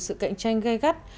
chịu sự cạnh tranh gây gắt